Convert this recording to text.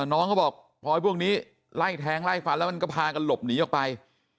น้องเขาบอกพอพวกนี้ไล่แทงไล่ฟันแล้วมันก็พากันหลบหนีออกไป